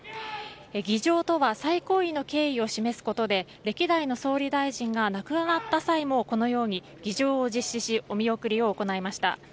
儀仗とは最高位の敬意を示すことで歴代の総理大臣が亡くなった際もこのように儀仗を実施しお見送りを行いました。